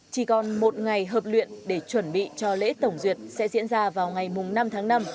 chỉ còn một ngày hợp luyện để chuẩn bị cho lễ tổng duyệt sẽ diễn ra vào ngày năm tháng năm